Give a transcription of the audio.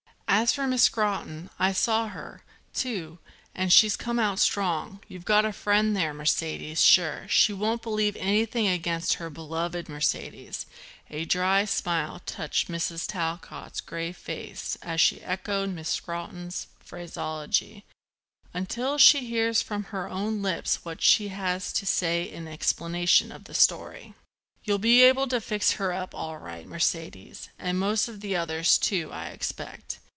As for Miss Scrotton, I saw her, too, and she's come out strong; you've got a friend there, Mercedes, sure; she won't believe anything against her beloved Mercedes," a dry smile touched Mrs. Talcott's grave face as she echoed Miss Scrotton's phraseology, "until she hears from her own lips what she has to say in explanation of the story. You'll be able to fix her up all right, Mercedes, and most of the others, too, I expect.